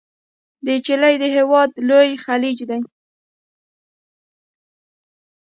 د چیلي د هیواد لوی خلیج دی.